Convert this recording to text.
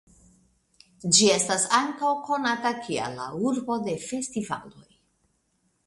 Ĝi estas ankaŭ konata kiel "La Urbo de Festivaloj".